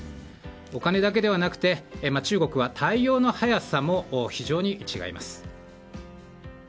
お金だけではなくて、中国は対応の早さも非常に違います。